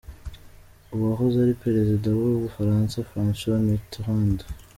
Uwahoze ari Perezida w’u Bufaransa, François Mitterand